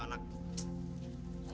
pak pak pak